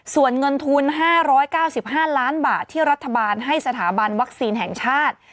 ส่วนเงินทุน๕๙๕ล้านบาทที่รัฐบาลให้สถาบันวัคซีนแห่งชาติ